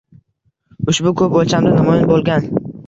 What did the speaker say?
Ushbu ko‘p o‘lchamda namoyon bo‘lgan